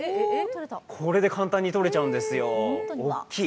これで簡単にとれちゃうんですよ、大きい。